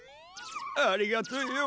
ありがとよ。